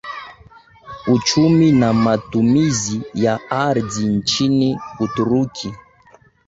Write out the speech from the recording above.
Uchumi na Matumizi ya Ardhi nchini Uturuki